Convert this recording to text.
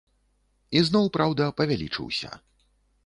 І зноў праўда, павялічыўся.